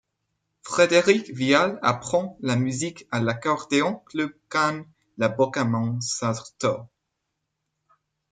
Frédéric Viale apprend la musique à l'Accordéon Club Cannes La Bocca Mouans-Sartoux.